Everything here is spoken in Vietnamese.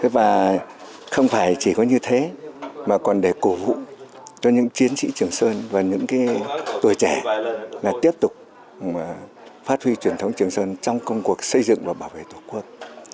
và không phải chỉ có như thế mà còn để cổ vũ cho những chiến sĩ trường sơn và những tuổi trẻ là tiếp tục phát huy truyền thống trường sơn trong công cuộc xây dựng và bảo vệ tổ quốc